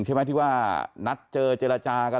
ใช่ไหมที่ว่านัดเจอเจรจากัน